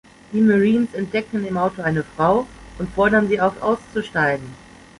Die Marines entdecken im Auto eine Frau, und fordern sie auf, auszusteigen.